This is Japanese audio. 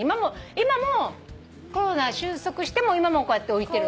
今もコロナ終息しても今もこうやって置いてる。